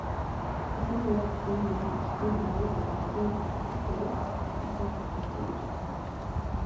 Ялангуяа энэ нэр нь эртний Хүннү гүрний "Хүн"-тэй язгуур холбоотой гэж үздэг.